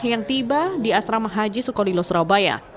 yang tiba di asrama haji sukolilo surabaya